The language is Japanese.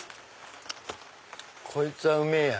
こいつはうめぇや！